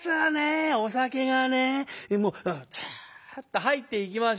お酒がねもうツーっと入っていきますよ。